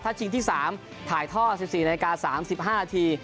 ถ้าชิงที่๓ถ่ายท่อ๑๔นาฬิกา๓๕นาที